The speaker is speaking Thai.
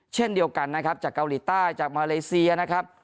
เช่นเดียวกันนะครับจากเกาหลีใต้จากมาเลเซียนะครับ